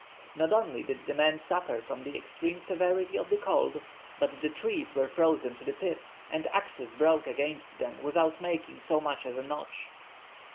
Not only did the men suffer from the extreme severity of the cold, but the trees were frozen to the pith, and axes broke against them without making so much as a notch.